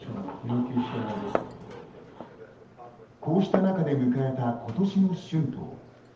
こうした中で迎えたことしの春闘。